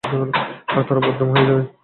আর তারা বদনাম হয়ে যায়।